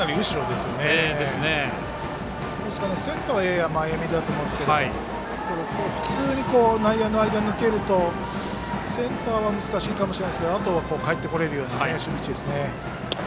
ですから、センターはやや前めだと思いますけれども普通に内野の間を抜けるとセンターは難しいかもしれないですけどあとはかえってこれるような守備位置ですね。